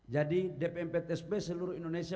jadi dpmptsp seluruh indonesia